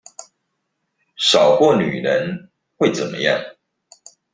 少過女人會怎麼樣？